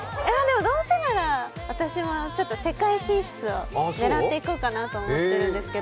どうせなら私も世界進出を狙っていこうかなと思ってるんですけど。